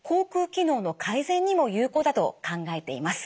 機能の改善にも有効だと考えています。